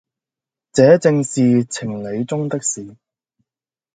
這正是情理中的事，